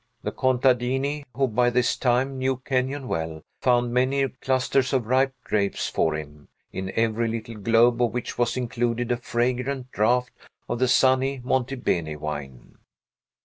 The contadini (who, by this time, knew Kenyon well) found many clusters of ripe grapes for him, in every little globe of which was included a fragrant draught of the sunny Monte Beni wine.